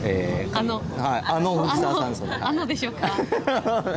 あの、あのでしょうか？